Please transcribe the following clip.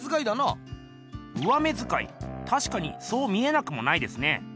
上目づかいたしかにそう見えなくもないですね。